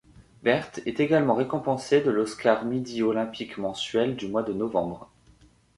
Bert est également récompensé de l'Oscar Midi olympique mensuel du mois de novembre.